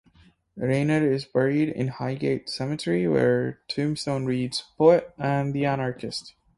Rainer is buried in Highgate Cemetery, where her tombstone reads "Poet and Anarchist".